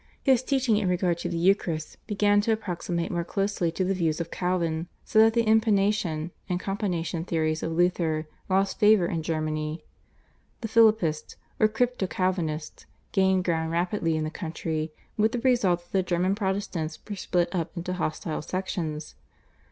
His teaching in regard to the Eucharist began to approximate more closely to the views of Calvin, so that the Impanation and Companation theories of Luther lost favour in Germany. The Philippists or Crypto Calvinists gained ground rapidly in the country, with the result that the German Protestants were split up into hostile sections.